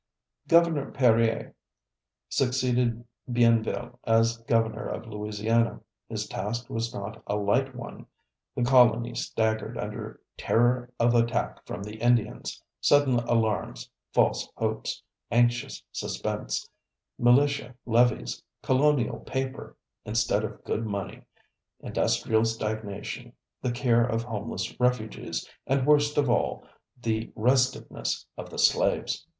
Gov. Perier succeeded Bienville as Governor of Louisiana. His task was not a light one; the colony staggered under "terror of attack from the Indians, sudden alarms, false hopes, anxious suspense, militia levies, colonial paper, instead of good money, industrial stagnation, the care of homeless refugees, and worst of all, the restiveness of the slaves.